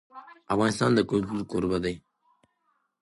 افغانستان د کلتور کوربه دی.